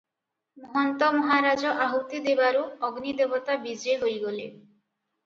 ମହନ୍ତ ମହାରାଜ ଆହୁତି ଦେବାରୁ ଅଗ୍ନି ଦେବତା ବିଜେ ହୋଇଗଲେ ।